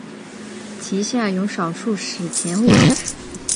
其下有少数史前物种。